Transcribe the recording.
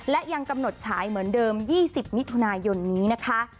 และยังกำหนดฉายเหมือนเดิม๒๐มิถุนายนนี้นะคะ